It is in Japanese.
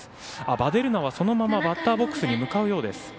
ヴァデルナはそのままバッターボックスに向かうようです。